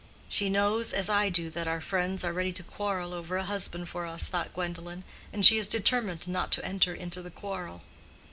"She knows, as I do, that our friends are ready to quarrel over a husband for us," thought Gwendolen, "and she is determined not to enter into the quarrel."